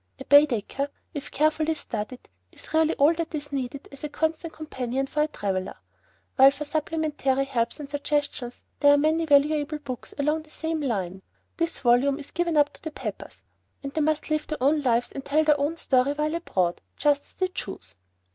A "Baedeker," if carefully studied, is really all that is needed as a constant companion to the traveller; while for supplementary helps and suggestions, there are many valuable books along the same line. This volume is given up to the Peppers; and they must live their own lives and tell their own story while abroad just as they choose.